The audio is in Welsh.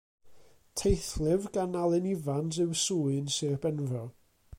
Teithlyfr gan Alun Ifans yw Swyn Sir Benfro.